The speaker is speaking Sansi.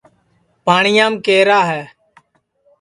پاٹٹؔیام کیرا ہے